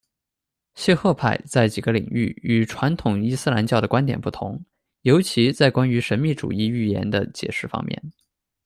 谢赫派在几个领域与传统伊斯兰教的观点不同，尤其在关于神秘主义预言的解释方面。